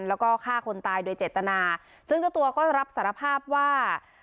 แล้วก็ฆ่าคนตายโดยเจตนาซึ่งเจ้าตัวก็รับสารภาพว่า